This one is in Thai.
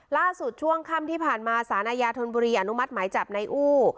ช่วงค่ำที่ผ่านมาสารอาญาธนบุรีอนุมัติหมายจับในอู้